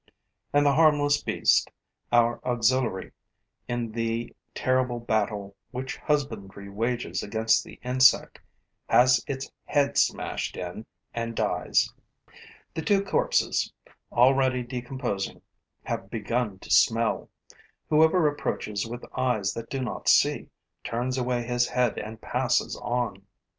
And the harmless beast, our auxiliary in the terrible battle which husbandry wages against the insect, has its head smashed in and dies. The two corpses, already decomposing, have begun to smell. Whoever approaches with eyes that do not see turns away his head and passes on.